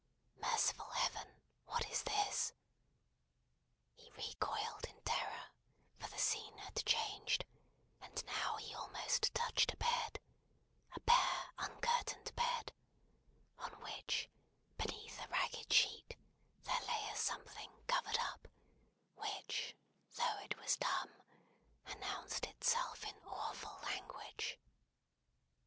Merciful Heaven, what is this!" He recoiled in terror, for the scene had changed, and now he almost touched a bed: a bare, uncurtained bed: on which, beneath a ragged sheet, there lay a something covered up, which, though it was dumb, announced itself in awful language.